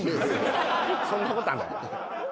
そんな事はない。